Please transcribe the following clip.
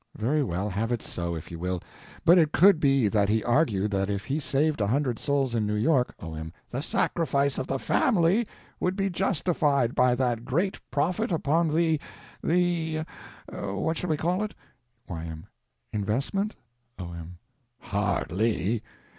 Very well, have it so, if you will. But it could be that he argued that if he saved a hundred souls in New York— O.M. The sacrifice of the family would be justified by that great profit upon the—the—what shall we call it? Y.M. Investment? O.M. Hardly.